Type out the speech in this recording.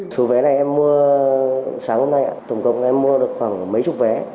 số vé này em mua sáng hôm nay ạ tổng cộng em mua được khoảng mấy chục vé